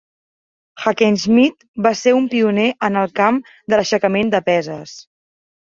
Hackenschmidt va ser un pioner en el camp de l'aixecament de peses.